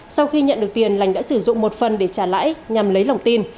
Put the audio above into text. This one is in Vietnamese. sau khi nhận được tiền lành đã sử dụng một phần để trả lãi nhằm lấy lòng tin